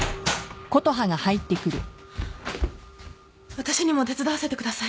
・・私にも手伝わせてください。